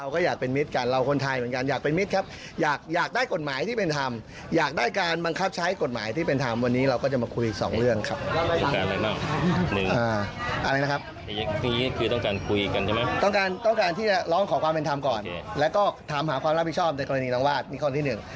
ความรับผิดชอบในกรณีนางวาดนี่ข้อที่หนึ่ง